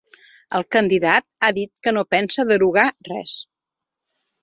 El candidat ha dit que no pensa derogar res.